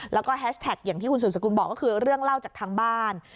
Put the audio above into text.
แล้วก็แฮชแท็กอย่างที่คุณสืบสกุลบอกก็คือเรื่องเล่าจากทางบ้าน